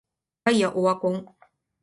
ガイアオワコン